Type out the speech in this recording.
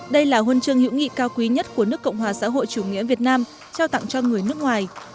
đây là huân chương hữu nghị cao quý nhất của nước cộng hòa xã hội chủ nghĩa việt nam trao tặng cho người nước ngoài